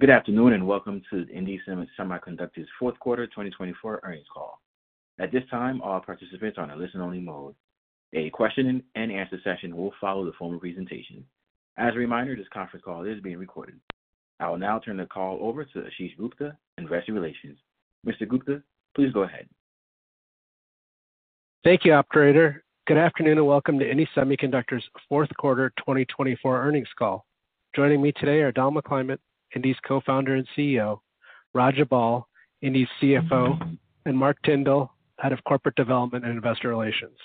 Good afternoon and welcome to the Indie Semiconductor's fourth quarter 2024 earnings call. At this time, all participants are in a listen-only mode. A question-and-answer session will follow the formal presentation. As a reminder, this conference call is being recorded. I will now turn the call over to Ashish Gupta, Investor Relations. Mr. Gupta, please go ahead. Thank you, Operator. Good afternoon and welcome to Indie Semiconductor's fourth quarter 2024 earnings call. Joining me today are Don McClymont, Indie's co-founder and CEO, Raja Bal, Indie's CFO, and Marc Tyndall, head of corporate development and investor relations.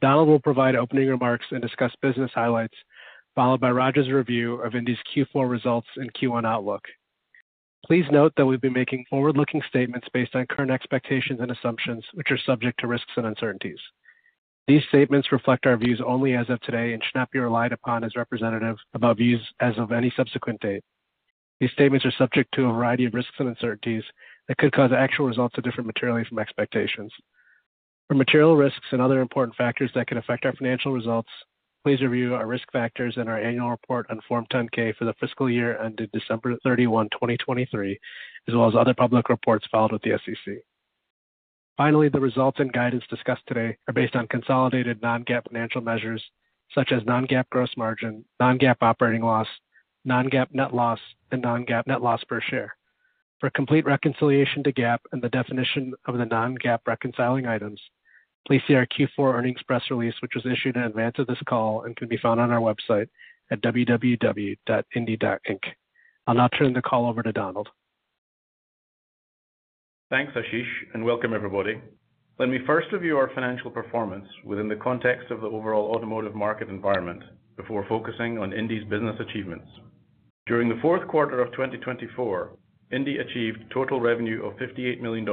Don will provide opening remarks and discuss business highlights, followed by Raja's review of Indie's Q4 results and Q1 outlook. Please note that we've been making forward-looking statements based on current expectations and assumptions, which are subject to risks and uncertainties. These statements reflect our views only as of today and should not be relied upon as representative of our views as of any subsequent date. These statements are subject to a variety of risks and uncertainties that could cause actual results to differ materially from expectations. For material risks and other important factors that could affect our financial results, please review our risk factors and our annual report on Form 10-K for the fiscal year ended December 31, 2023, as well as other public reports filed with the SEC. Finally, the results and guidance discussed today are based on consolidated non-GAAP financial measures such as non-GAAP gross margin, non-GAAP operating loss, non-GAAP net loss, and non-GAAP net loss per share. For complete reconciliation to GAAP and the definition of the non-GAAP reconciling items, please see our Q4 earnings press release, which was issued in advance of this call and can be found on our website at www.indie.inc. I'll now turn the call over to Donald. Thanks, Ashish, and welcome, everybody. Let me first review our financial performance within the context of the overall automotive market environment before focusing on Indie's business achievements. During the fourth quarter of 2024, Indie achieved total revenue of $58 million,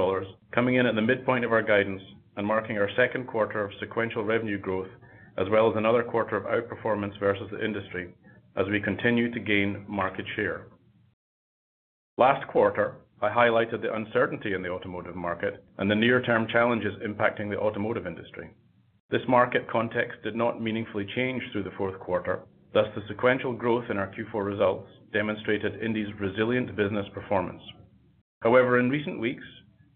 coming in at the midpoint of our guidance and marking our second quarter of sequential revenue growth, as well as another quarter of outperformance versus the industry as we continue to gain market share. Last quarter, I highlighted the uncertainty in the automotive market and the near-term challenges impacting the automotive industry. This market context did not meaningfully change through the fourth quarter. Thus, the sequential growth in our Q4 results demonstrated Indie's resilient business performance. However, in recent weeks,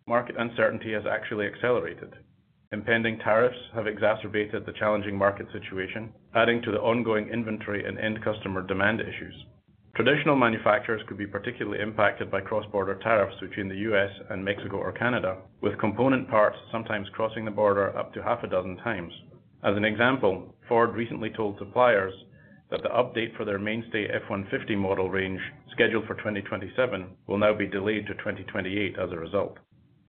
market uncertainty has actually accelerated. Impending tariffs have exacerbated the challenging market situation, adding to the ongoing inventory and end-customer demand issues. Traditional manufacturers could be particularly impacted by cross-border tariffs between the U.S. and Mexico or Canada, with component parts sometimes crossing the border up to half a dozen times. As an example, Ford recently told suppliers that the update for their mainstay F-150 model range scheduled for 2027 will now be delayed to 2028 as a result.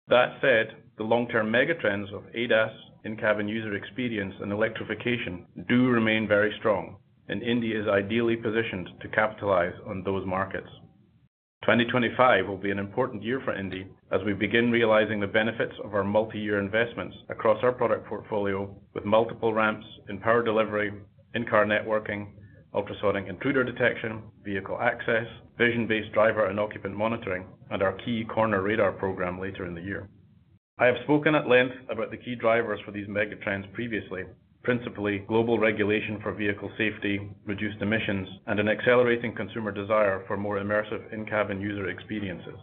That said, the long-term megatrends of ADAS, in-cabin user experience, and electrification do remain very strong, and Indie is ideally positioned to capitalize on those markets. 2025 will be an important year for Indie as we begin realizing the benefits of our multi-year investments across our product portfolio with multiple ramps, in power delivery, in-car networking, ultrasonic intruder detection, vehicle access, vision-based driver and occupant monitoring, and our key corner radar program later in the year. I have spoken at length about the key drivers for these megatrends previously, principally global regulation for vehicle safety, reduced emissions, and an accelerating consumer desire for more immersive in-cabin user experiences.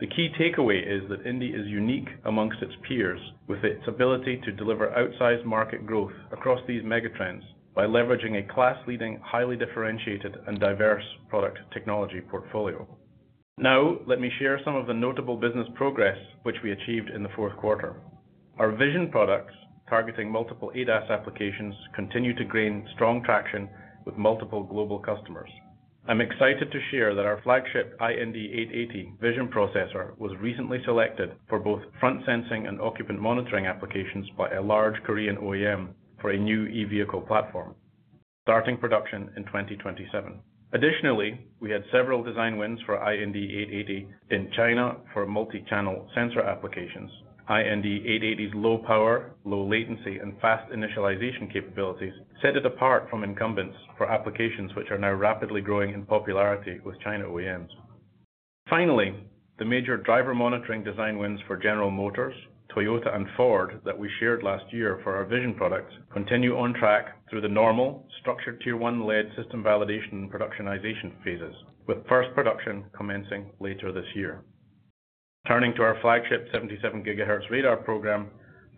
The key takeaway is that Indie is unique among its peers with its ability to deliver outsized market growth across these megatrends by leveraging a class-leading, highly differentiated, and diverse product technology portfolio. Now, let me share some of the notable business progress which we achieved in the fourth quarter. Our Vision products, targeting multiple ADAS applications, continue to gain strong traction with multiple global customers. I'm excited to share that our flagship IND880 Vision Processor was recently selected for both front-sensing and occupant monitoring applications by a large Korean OEM for a new e-Vehicle platform, starting production in 2027. Additionally, we had several design wins for IND880 in China for multi-channel sensor applications. IND880's low power, low latency, and fast initialization capabilities set it apart from incumbents for applications which are now rapidly growing in popularity with China OEMs. Finally, the major driver monitoring design wins for General Motors, Toyota, and Ford that we shared last year for our Vision products continue on track through the normal structured Tier 1 lead system validation and productionization phases, with first production commencing later this year. Turning to our flagship 77 GHz radar program,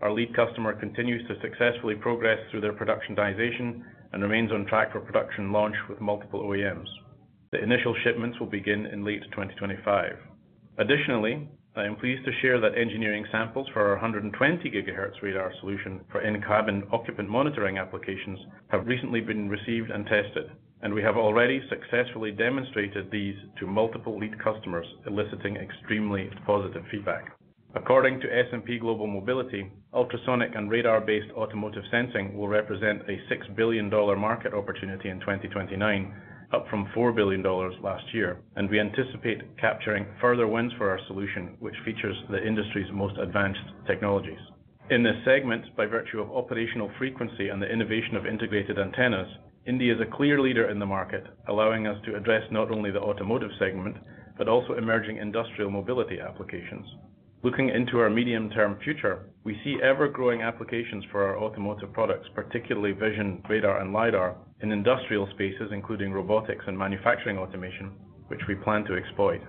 our lead customer continues to successfully progress through their productionization and remains on track for production launch with multiple OEMs. The initial shipments will begin in late 2025. Additionally, I am pleased to share that engineering samples for our 120 GHz radar solution for in-cabin occupant monitoring applications have recently been received and tested, and we have already successfully demonstrated these to multiple lead customers, eliciting extremely positive feedback. According to S&P Global Mobility, ultrasonic and radar-based automotive sensing will represent a $6 billion market opportunity in 2029, up from $4 billion last year, and we anticipate capturing further wins for our solution, which features the industry's most advanced technologies. In this segment, by virtue of operational frequency and the innovation of integrated antennas, Indie is a clear leader in the market, allowing us to address not only the automotive segment but also emerging industrial mobility applications. Looking into our medium-term future, we see ever-growing applications for our automotive products, particularly vision, radar, and lidar, in industrial spaces including robotics and manufacturing automation, which we plan to exploit.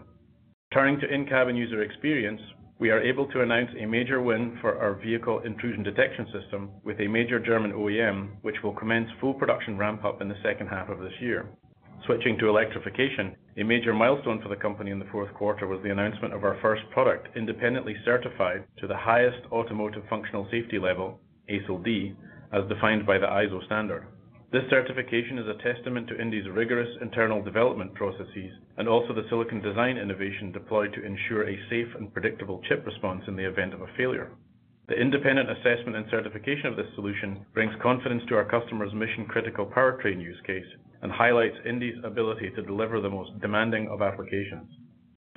Turning to in-cabin user experience, we are able to announce a major win for our vehicle intrusion detection system with a major German OEM, which will commence full production ramp-up in the second half of this year. Switching to electrification, a major milestone for the company in the fourth quarter was the announcement of our first product independently certified to the highest automotive functional safety level, ASIL-D, as defined by the ISO standard. This certification is a testament to Indie's rigorous internal development processes and also the silicon design innovation deployed to ensure a safe and predictable chip response in the event of a failure. The independent assessment and certification of this solution brings confidence to our customer's mission-critical powertrain use case and highlights Indie's ability to deliver the most demanding of applications.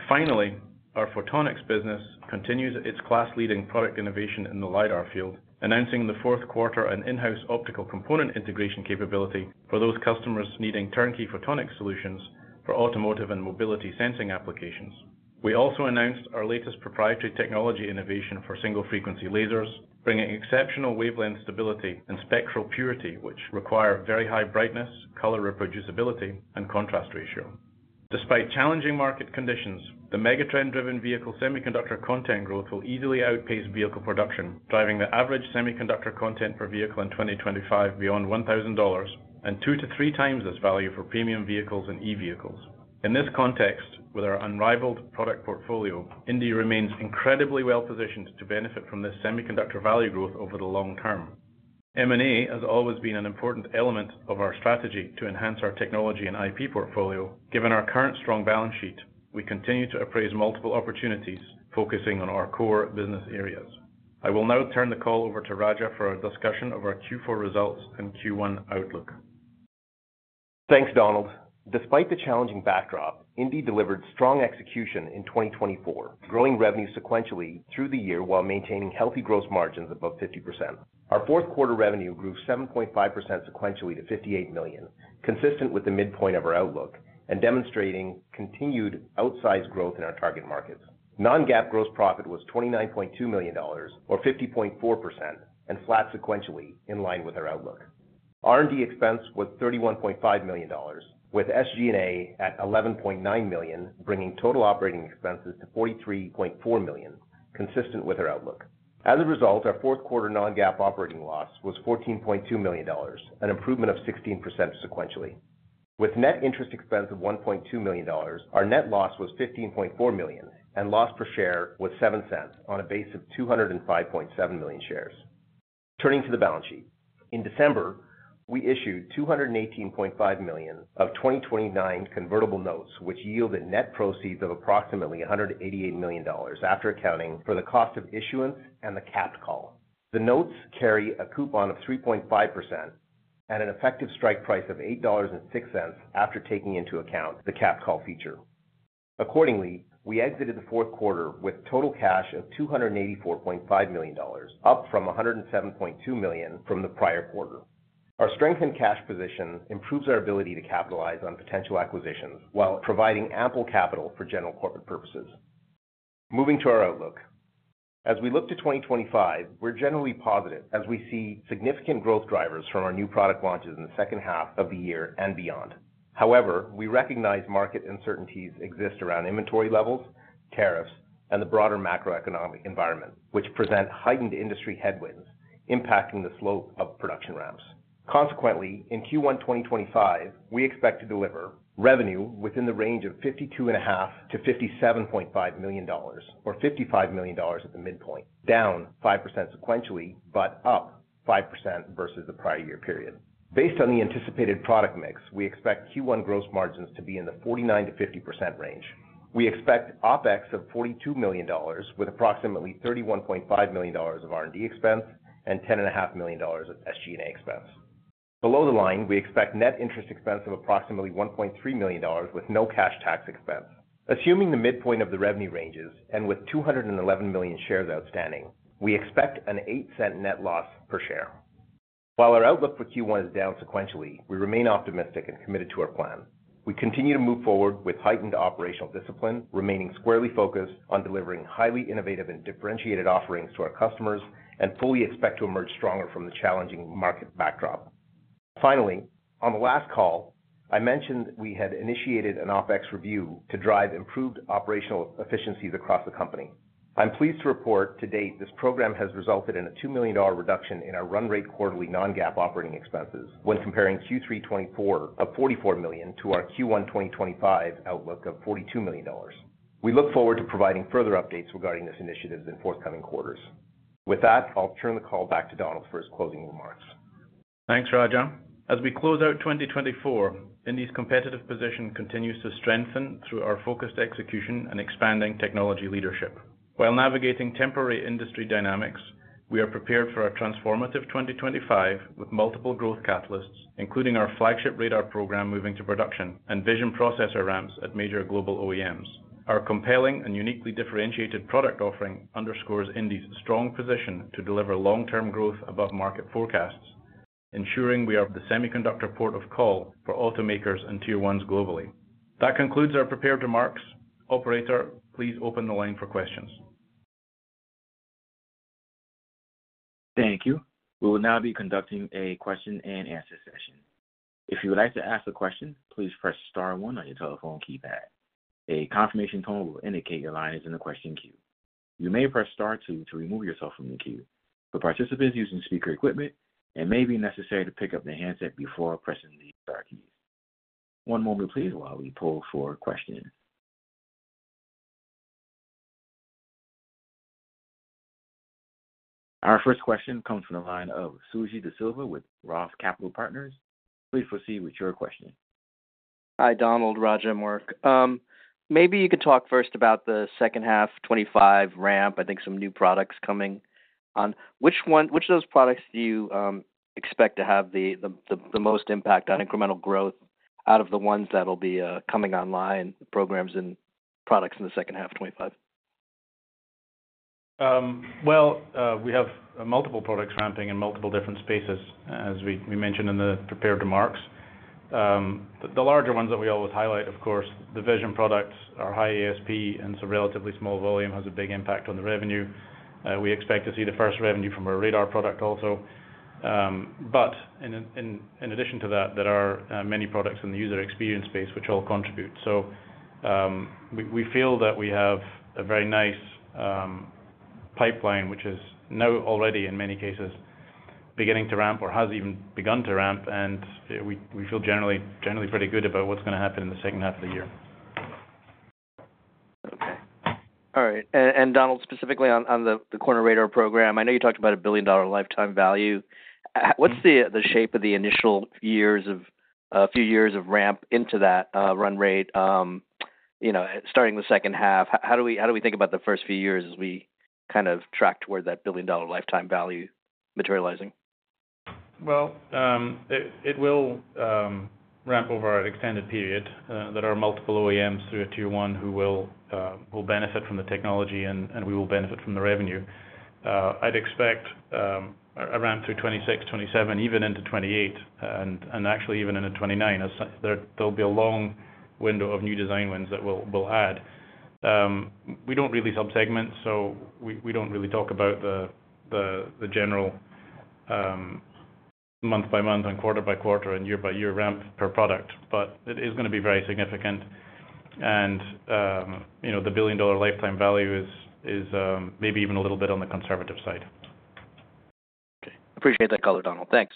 Finally, our photonics business continues its class-leading product innovation in the lidar field, announcing in the fourth quarter an in-house optical component integration capability for those customers needing turnkey photonics solutions for automotive and mobility sensing applications. We also announced our latest proprietary technology innovation for single-frequency lasers, bringing exceptional wavelength stability and spectral purity, which require very high brightness, color reproducibility, and contrast ratio. Despite challenging market conditions, the megatrend-driven vehicle semiconductor content growth will easily outpace vehicle production, driving the average semiconductor content per vehicle in 2025 beyond $1,000 and 2x-3x this value for premium vehicles and e-Vehicles. In this context, with our unrivaled product portfolio, Indie remains incredibly well-positioned to benefit from this semiconductor value growth over the long-term. M&A has always been an important element of our strategy to enhance our technology and IP portfolio. Given our current strong balance sheet, we continue to appraise multiple opportunities, focusing on our core business areas. I will now turn the call over to Raja for our discussion of our Q4 results and Q1 outlook. Thanks, Donald. Despite the challenging backdrop, Indie delivered strong execution in 2024, growing revenue sequentially through the year while maintaining healthy gross margins above 50%. Our fourth quarter revenue grew 7.5% sequentially to $58 million, consistent with the midpoint of our outlook and demonstrating continued outsized growth in our target markets. Non-GAAP gross profit was $29.2 million, or 50.4%, and flat sequentially in line with our outlook. R&D expense was $31.5 million, with SG&A at $11.9 million, bringing total operating expenses to $43.4 million, consistent with our outlook. As a result, our fourth quarter non-GAAP operating loss was $14.2 million, an improvement of 16% sequentially. With net interest expense of $1.2 million, our net loss was $15.4 million, and loss per share was $0.07 on a base of 205.7 million shares. Turning to the balance sheet, in December, we issued $218.5 million of 2029 convertible notes, which yielded net proceeds of approximately $188 million after accounting for the cost of issuance and the capped call. The notes carry a coupon of 3.5% and an effective strike price of $8.06 after taking into account the capped call feature. Accordingly, we exited the fourth quarter with total cash of $284.5 million, up from $107.2 million from the prior quarter. Our strengthened cash position improves our ability to capitalize on potential acquisitions while providing ample capital for general corporate purposes. Moving to our outlook, as we look to 2025, we're generally positive as we see significant growth drivers from our new product launches in the second half of the year and beyond. However, we recognize market uncertainties exist around inventory levels, tariffs, and the broader macroeconomic environment, which present heightened industry headwinds impacting the slope of production ramps. Consequently, in Q1 2025, we expect to deliver revenue within the range of $52.5 million-$57.5 million, or $55 million at the midpoint, down 5% sequentially but up 5% versus the prior year period. Based on the anticipated product mix, we expect Q1 gross margins to be in the 49%-50% range. We expect OpEx of $42 million, with approximately $31.5 million of R&D expense and $10.5 million of SG&A expense. Below the line, we expect net interest expense of approximately $1.3 million with no cash tax expense. Assuming the midpoint of the revenue ranges and with 211 million shares outstanding, we expect an $0.08 net loss per share. While our outlook for Q1 is down sequentially, we remain optimistic and committed to our plan. We continue to move forward with heightened operational discipline, remaining squarely focused on delivering highly innovative and differentiated offerings to our customers and fully expect to emerge stronger from the challenging market backdrop. Finally, on the last call, I mentioned we had initiated an OpEx review to drive improved operational efficiencies across the company. I'm pleased to report today this program has resulted in a $2 million reduction in our run rate quarterly non-GAAP operating expenses when comparing Q3 2024 of $44 million to our Q1 2025 outlook of $42 million. We look forward to providing further updates regarding this initiative in forthcoming quarters. With that, I'll turn the call back to Donald for his closing remarks. Thanks, Raja. As we close out 2024, Indie's competitive position continues to strengthen through our focused execution and expanding technology leadership. While navigating temporary industry dynamics, we are prepared for a transformative 2025 with multiple growth catalysts, including our flagship radar program moving to production and vision processor ramps at major global OEMs. Our compelling and uniquely differentiated product offering underscores Indie's strong position to deliver long-term growth above market forecasts, ensuring we are the semiconductor port of call for automakers and Tier 1s globally. That concludes our prepared remarks. Operator, please open the line for questions. Thank you. We will now be conducting a question-and-answer session. If you would like to ask a question, please press star one on your telephone keypad. A confirmation tone will indicate your line is in the question queue. You may press star two to remove yourself from the queue. For participants using speaker equipment, it may be necessary to pick up the handset before pressing the star keys. One moment, please, while we pull for questions. Our first question comes from the line of Suji Desilva with Roth Capital Partners. Please proceed with your question. Hi, Donald, Raja, and Marc. Maybe you could talk first about the second half 2025 ramp. I think some new products coming on. Which of those products do you expect to have the most impact on incremental growth out of the ones that'll be coming online, programs and products in the second half 2025? We have multiple products ramping in multiple different spaces, as we mentioned in the prepared remarks. The larger ones that we always highlight, of course, the vision products are high ASP, and so relatively small volume has a big impact on the revenue. We expect to see the first revenue from our radar product also. But in addition to that, there are many products in the user experience space, which all contribute. So we feel that we have a very nice pipeline, which is now already, in many cases, beginning to ramp or has even begun to ramp, and we feel generally pretty good about what's going to happen in the second half of the year. Okay. All right. And Donald, specifically on the corner radar program, I know you talked about a billion-dollar lifetime value. What's the shape of the initial years of a few years of ramp into that run rate starting the second half? How do we think about the first few years as we kind of track toward that billion-dollar lifetime value materializing? It will ramp over an extended period. There are multiple OEMs through a Tier 1 who will benefit from the technology, and we will benefit from the revenue. I'd expect a ramp through 2026, 2027, even into 2028, and actually even into 2029. There'll be a long window of new design wins that we'll add. We don't release subsegments, so we don't really talk about the general month-by-month and quarter-by-quarter and year-by-year ramp per product, but it is going to be very significant, and the billion-dollar lifetime value is maybe even a little bit on the conservative side. Okay. Appreciate that color, Donald. Thanks.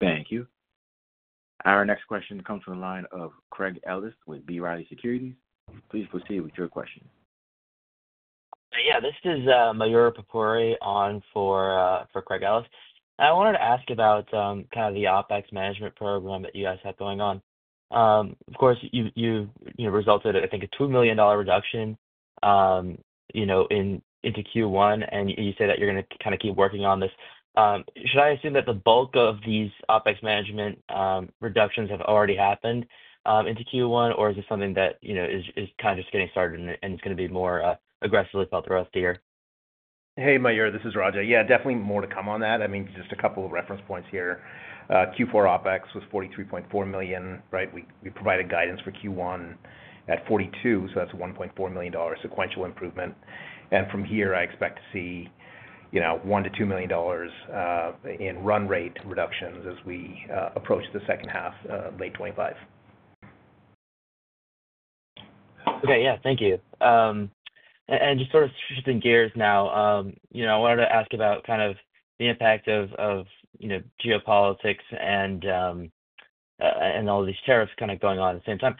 Thank you. Our next question comes from the line of Craig Ellis with B. Riley Securities. Please proceed with your question. Yeah. This is Mayur Pupuri on for Craig Ellis. I wanted to ask about kind of the OpEx management program that you guys have going on. Of course, you realized, I think, a $2 million reduction in Q1, and you say that you're going to kind of keep working on this. Should I assume that the bulk of these OpEx management reductions have already happened in Q1, or is this something that is kind of just getting started and it's going to be more aggressively felt throughout the year? Hey, Mayur, this is Raja. Yeah, definitely more to come on that. I mean, just a couple of reference points here. Q4 OpEx was $43.4 million, right? We provided guidance for Q1 at $42 million, so that's a $1.4 million sequential improvement. And from here, I expect to see $1 million-$2 million in run rate reductions as we approach the second half, late 2025. Okay. Yeah. Thank you. And just sort of shifting gears now, I wanted to ask about kind of the impact of geopolitics and all these tariffs kind of going on at the same time.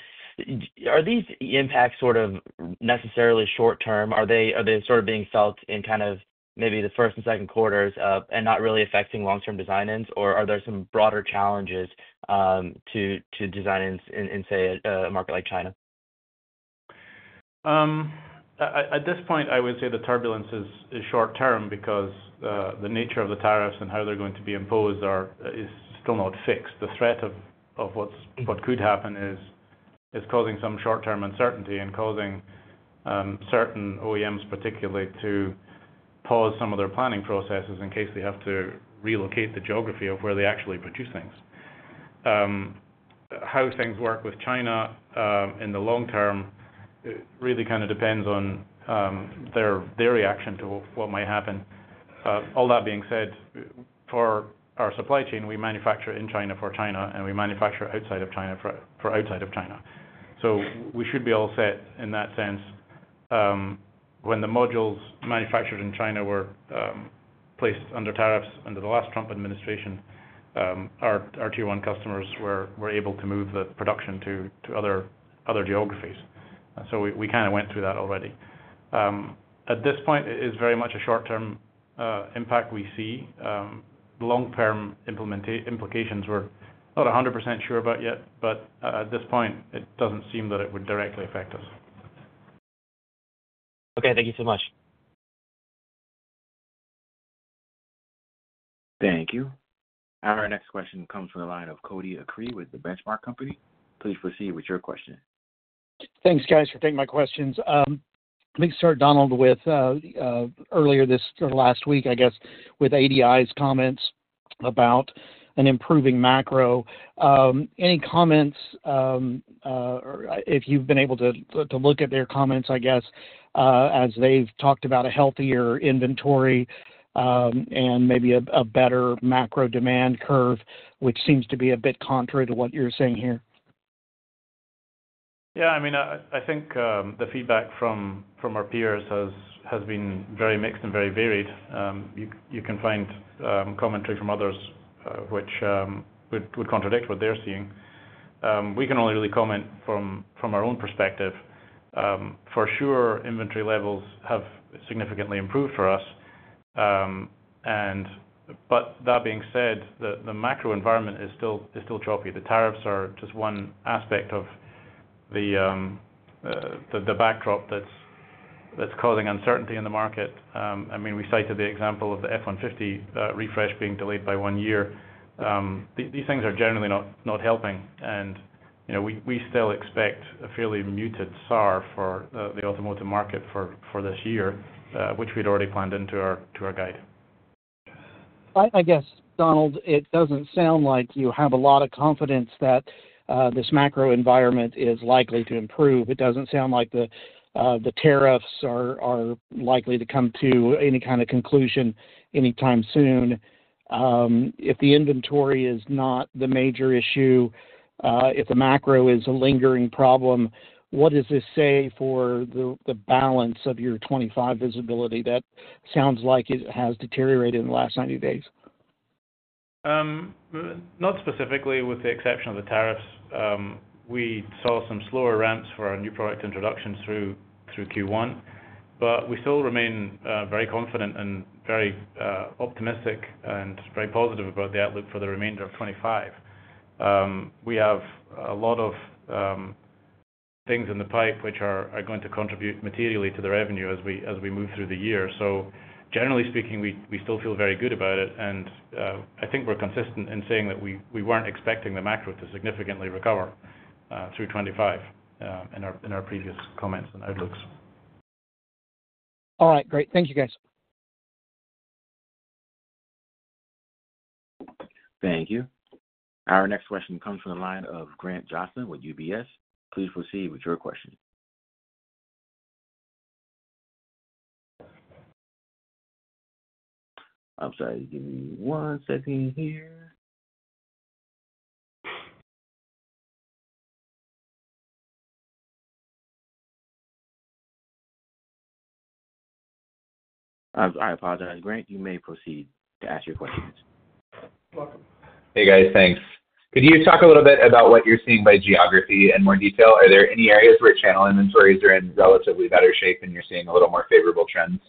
Are these impacts sort of necessarily short-term? Are they sort of being felt in kind of maybe the first and second quarters and not really affecting long-term design wins, or are there some broader challenges to design wins in, say, a market like China? At this point, I would say the turbulence is short-term because the nature of the tariffs and how they're going to be imposed is still not fixed. The threat of what could happen is causing some short-term uncertainty and causing certain OEMs, particularly, to pause some of their planning processes in case they have to relocate the geography of where they actually produce things. How things work with China in the long-term really kind of depends on their reaction to what might happen. All that being said, for our supply chain, we manufacture in China for China, and we manufacture outside of China for outside of China. So we should be all set in that sense. When the modules manufactured in China were placed under tariffs under the last Trump administration, our Tier 1 customers were able to move the production to other geographies, so we kind of went through that already. At this point, it is very much a short-term impact we see. Long-term implications we're not 100% sure about yet, but at this point, it doesn't seem that it would directly affect us. Okay. Thank you so much. Thank you. Our next question comes from the line of Cody Acree with The Benchmark Company. Please proceed with your question. Thanks, guys, for taking my questions. Let me start, Donald, with earlier this last week, I guess, with ADI's comments about an improving macro. Any comments if you've been able to look at their comments, I guess, as they've talked about a healthier inventory and maybe a better macro demand curve, which seems to be a bit contra to what you're saying here? Yeah. I mean, I think the feedback from our peers has been very mixed and very varied. You can find commentary from others which would contradict what they're seeing. We can only really comment from our own perspective. For sure, inventory levels have significantly improved for us. But that being said, the macro environment is still choppy. The tariffs are just one aspect of the backdrop that's causing uncertainty in the market. I mean, we cited the example of the F-150 refresh being delayed by one year. These things are generally not helping, and we still expect a fairly muted SAR for the automotive market for this year, which we'd already planned into our guide. I guess, Donald, it doesn't sound like you have a lot of confidence that this macro environment is likely to improve. It doesn't sound like the tariffs are likely to come to any kind of conclusion anytime soon. If the inventory is not the major issue, if the macro is a lingering problem, what does this say for the balance of your 2025 visibility that sounds like it has deteriorated in the last 90 days? Not specifically. With the exception of the tariffs, we saw some slower ramps for our new product introduction through Q1, but we still remain very confident and very optimistic and very positive about the outlook for the remainder of 2025. We have a lot of things in the pipe which are going to contribute materially to the revenue as we move through the year, so generally speaking, we still feel very good about it, and I think we're consistent in saying that we weren't expecting the macro to significantly recover through 2025 in our previous comments and outlooks. All right. Great. Thank you, guys. Thank you. Our next question comes from the line of Graham Johnson with UBS. Please proceed with your question. I'm sorry. Give me one second here. I apologize. Graham, you may proceed to ask your questions. Hey, guys. Thanks. Could you talk a little bit about what you're seeing by geography in more detail? Are there any areas where channel inventories are in relatively better shape and you're seeing a little more favorable trends?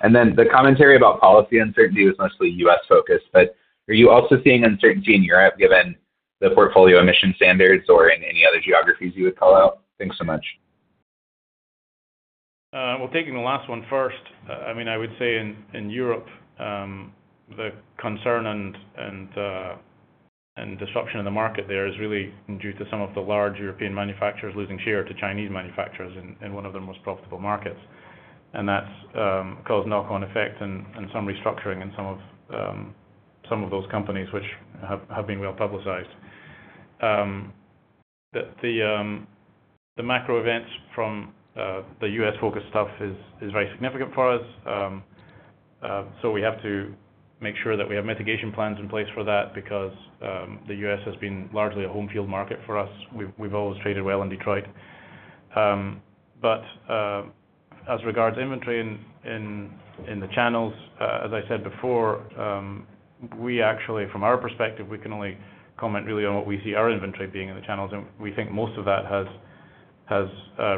And then the commentary about policy uncertainty was mostly U.S.-focused, but are you also seeing uncertainty in Europe given the Euro emission standards or in any other geographies you would call out? Thanks so much. Well, taking the last one first, I mean, I would say in Europe, the concern and disruption in the market there is really due to some of the large European manufacturers losing share to Chinese manufacturers in one of their most profitable markets. And that's caused knock-on effect and some restructuring in some of those companies, which have been well publicized. The macro events from the U.S.-focused stuff is very significant for us, so we have to make sure that we have mitigation plans in place for that because the U.S. has been largely a home field market for us. We've always traded well in Detroit. But as regards to inventory in the channels, as I said before, from our perspective, we can only comment really on what we see our inventory being in the channels. And we think most of that has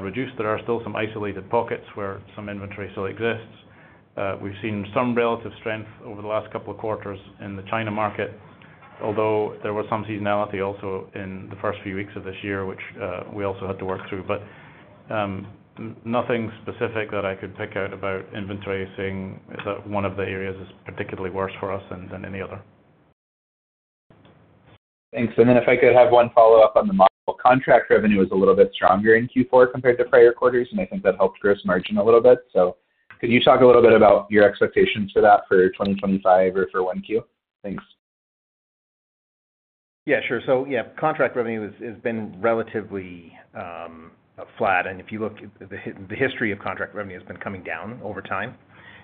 reduced. There are still some isolated pockets where some inventory still exists. We've seen some relative strength over the last couple of quarters in the China market, although there was some seasonality also in the first few weeks of this year, which we also had to work through. But nothing specific that I could pick out about inventory, seeing as one of the areas is particularly worse for us than any other. Thanks. And then if I could have one follow-up on the model contractor revenue is a little bit stronger in Q4 compared to prior quarters, and I think that helped gross margin a little bit. So could you talk a little bit about your expectations for that for 2025 or for 1Q? Thanks. Yeah, sure. So yeah, contract revenue has been relatively flat. And if you look, the history of contract revenue has been coming down over time,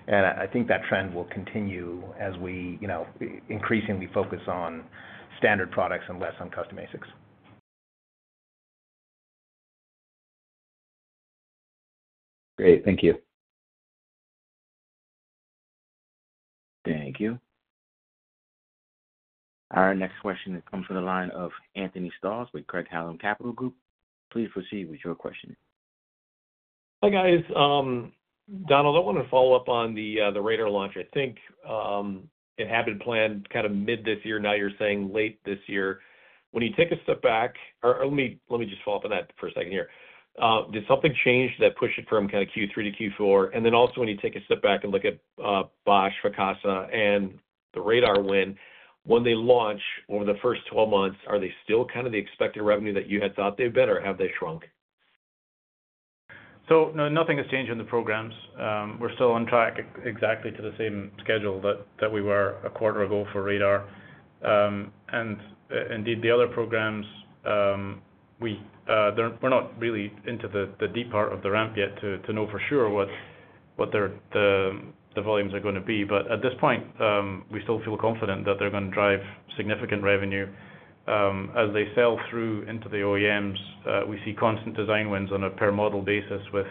and I think that trend will continue as we increasingly focus on standard products and less on custom ASICs. Great. Thank you. Thank you. Our next question comes from the line of Anthony Stoss with Craig-Hallum Capital Group. Please proceed with your question. Hi, guys. Donald, I want to follow up on the radar launch. I think it had been planned kind of mid this year. Now you're saying late this year. When you take a step back, or let me just follow up on that for a second here. Did something change that pushed it from kind of Q3 to Q4? And then also when you take a step back and look at Bosch, Ficosa, and the radar win, when they launch over the first 12 months, are they still kind of the expected revenue that you had thought they'd been, or have they shrunk? No, nothing has changed in the programs. We're still on track exactly to the same schedule that we were a quarter ago for radar. Indeed, the other programs, we're not really into the deep part of the ramp yet to know for sure what the volumes are going to be. But at this point, we still feel confident that they're going to drive significant revenue. As they sell through into the OEMs, we see constant design wins on a per-model basis with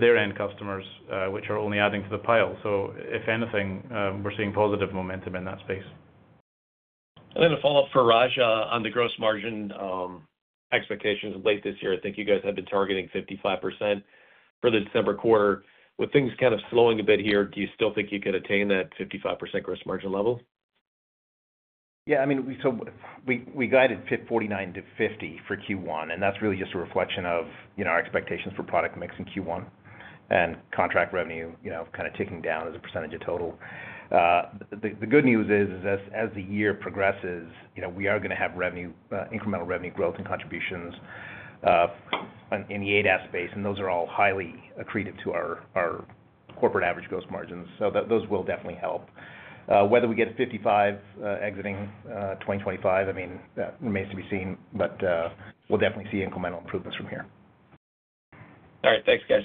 their end customers, which are only adding to the pile. So if anything, we're seeing positive momentum in that space. Then a follow-up for Raja on the gross margin expectations late this year. I think you guys had been targeting 55% for the December quarter. With things kind of slowing a bit here, do you still think you could attain that 55% gross margin level? Yeah. I mean, so we guided FIP 49%-50% for Q1, and that's really just a reflection of our expectations for product mix in Q1 and contract revenue kind of ticking down as a percentage of total. The good news is, as the year progresses, we are going to have incremental revenue growth and contributions in the ADAS space, and those are all highly accretive to our corporate average gross margins. So those will definitely help. Whether we get 55% exiting 2025, I mean, that remains to be seen, but we'll definitely see incremental improvements from here. All right. Thanks, guys.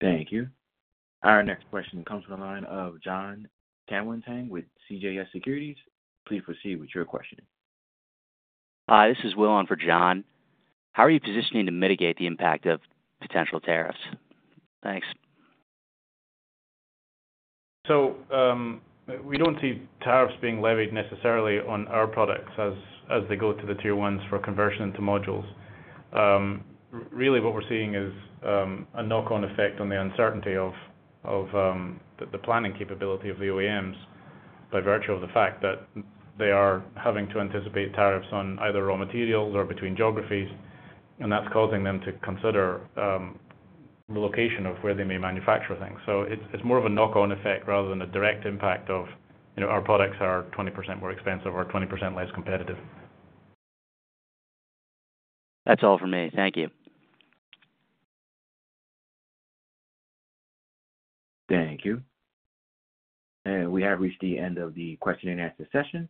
Thank you. Our next question comes from the line of Jon Tanwanteng with CJS Securities. Please proceed with your question. Hi, this is Will on for Jon. How are you positioning to mitigate the impact of potential tariffs? Thanks. We don't see tariffs being levied necessarily on our products as they go to the Tier 1s for conversion into modules. Really, what we're seeing is a knock-on effect on the uncertainty of the planning capability of the OEMs by virtue of the fact that they are having to anticipate tariffs on either raw materials or between geographies, and that's causing them to consider relocation of where they may manufacture things. It's more of a knock-on effect rather than a direct impact of our products are 20% more expensive or 20% less competitive. That's all for me. Thank you. Thank you. And we have reached the end of the question-and-answer session.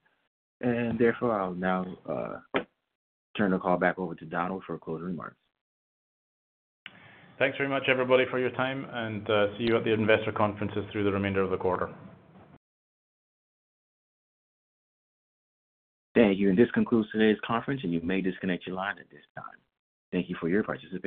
And therefore, I'll now turn the call back over to Donald for closing remarks. Thanks very much, everybody, for your time, and see you at the investor conferences through the remainder of the quarter. Thank you. This concludes today's conference, and you may disconnect your line at this time. Thank you for your participation.